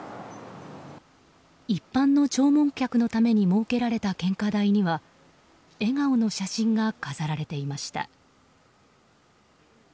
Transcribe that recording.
一般の弔問客のために設けられた献花台には笑顔の写真が飾られていました。